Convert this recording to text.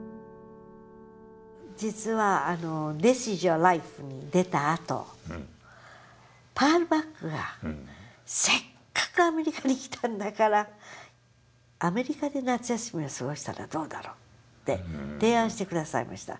実は「ＴｈｉｓＩｓＹｏｕｒＬｉｆｅ」に出たあとパール・バックが「せっかくアメリカに来たんだからアメリカで夏休みを過ごしたらどうだろう」って提案して下さいました。